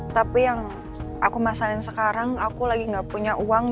tapi yang aku masalin sekarang aku lagi gak punya uang